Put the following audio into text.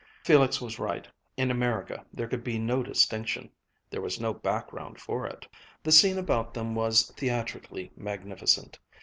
Felix was right in America there could be no distinction, there was no background for it. The scene about them was theatrically magnificent.